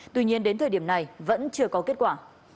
tuy nhiên đến thời điểm này vẫn chưa có kết quả